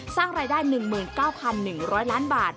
สร้างรายได้๑๙๑๐๐ล้านบาท